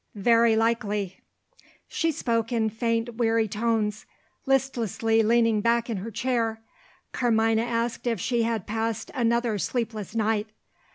"Very likely." She spoke in faint weary tones listlessly leaning back in her chair. Carmina asked if she had passed another sleepless night.